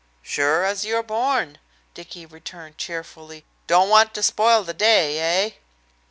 "Sure as you're born," Dicky returned cheerfully. "Don't want to spoil the day, eh?"